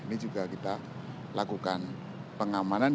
ini juga kita lakukan pengamanan